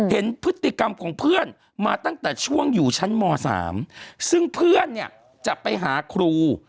เห็นพฤติกรรมของเพื่อนมาตั้งแต่ช่วงอยู่ชั้นม๓ซึ่งเพื่อนเนี่ยจะไปหาครู